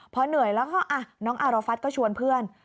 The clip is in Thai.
พอเหนื่อยแล้วก็น้องอารฟัฐก็ชวนเพื่อน